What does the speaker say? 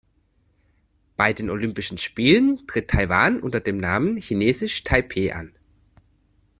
Bei den Olympischen Spielen tritt Taiwan unter dem Namen „Chinesisch Taipeh“ an.